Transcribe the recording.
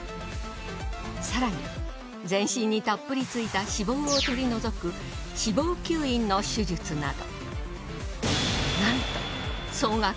更に全身にたっぷりついた脂肪を取り除く脂肪吸引の手術など。